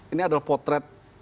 ini adalah potret